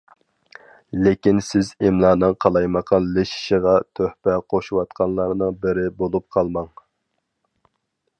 لېكىن سىز ئىملانىڭ قالايمىقانلىشىشىغا تۆھپە قوشۇۋاتقانلارنىڭ بىرى بولۇپ قالماڭ.